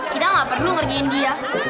kita gak perlu ngerjain dia